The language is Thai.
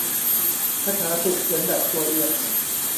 คาถาถูกเขียนแบบตัวเอียง